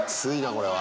これは。